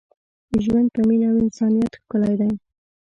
ژوند په مینه او انسانیت ښکلی دی.